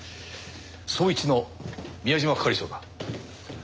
捜一の宮島係長だ。